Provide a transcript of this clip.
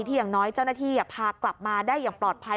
อย่างน้อยเจ้าหน้าที่พากลับมาได้อย่างปลอดภัย